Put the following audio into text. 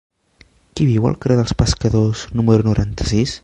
Qui viu al carrer dels Pescadors número noranta-sis?